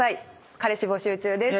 彼氏募集中です。